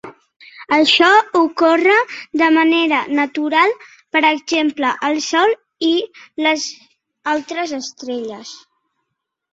Això ocorre de manera natural per exemple al Sol i les altres estrelles.